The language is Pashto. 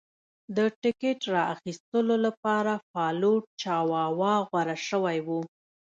د ټکټ را ایستلو لپاره فالوټ چاواوا غوره شوی و.